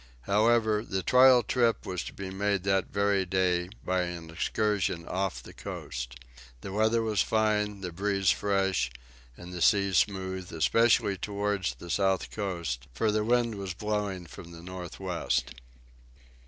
However, the trial trip was to be made that very day, by an excursion off the coast. The weather was fine, the breeze fresh, and the sea smooth, especially towards the south coast, for the wind was blowing from the northwest.